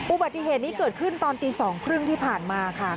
อุบัติเหตุนี้เกิดขึ้นตอนตี๒๓๐ที่ผ่านมาค่ะ